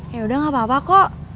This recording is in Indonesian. ya udah gak apa apa kok